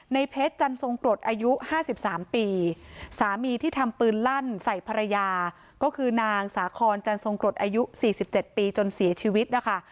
ในเพชรจันทรงกรดอายุ๕๓ปีสามีที่ทำปืนลั่นใส่ภรรยาก็คือนางสาคอนจันทรงกรดอายุ๔๗ปีจนเสียชีวิตนะคะ